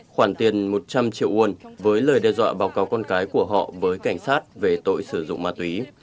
khoản tiền một trăm linh triệu won với lời đe dọa báo cáo con cái của họ với cảnh sát về tội sử dụng ma túy